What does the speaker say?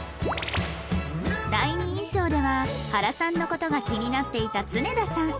第二印象では原さんの事が気になっていた常田さん